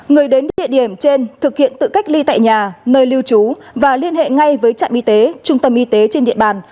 người đến địa điểm trên thực hiện tự cách ly tại nhà nơi lưu trú và liên hệ ngay với trạm y tế trung tâm y tế trên địa bàn